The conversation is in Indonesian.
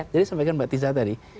jadi sampaikan mbak tiza tadi